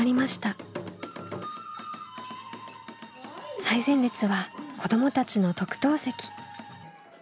最前列は子どもたちの特等席。